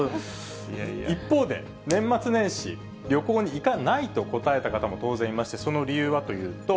一方で、年末年始、旅行に行かないと答えた人も、当然いまして、その理由はといいますと。